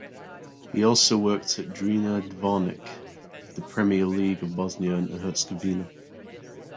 He also worked at Drina Zvornik of the Premier League of Bosnia and Herzegovina.